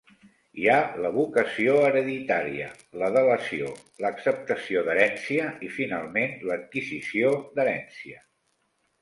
Hi ha la vocació hereditària, la delació, l'acceptació d'herència i, finalment, l'adquisició d'herència.